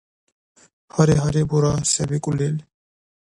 – Гьари-гьари, бура се бикӀулил.